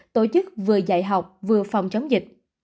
tổ chức vừa dạy học vừa phòng chống dịch